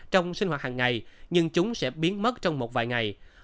trong sinh hoạt hàng ngày nhưng chúng sẽ biến mất trong một vài ngày